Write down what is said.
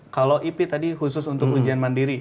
kalau ip tadi khusus untuk ujian mandiri